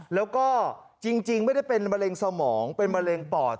แล้วก็จริงไม่ได้เป็นมะเร็งสมองเป็นมะเร็งปอด